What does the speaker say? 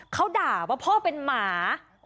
เขาด่าว่าพ่อเป็นหมา